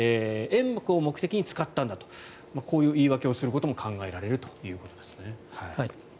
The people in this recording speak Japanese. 煙幕を目的に使ったんだとこういう言い訳をすることも考えられるということですね。